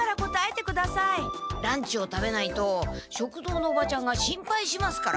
ランチを食べないと食堂のおばちゃんが心配しますから。